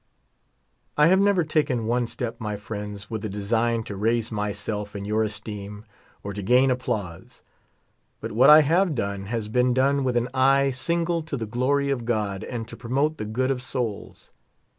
. I have never taken one step, my mends, with a design to raise myself in your esteem or to gain applause. But what I have done has been done with an eye single to the glory of God, and to promote the good of souls.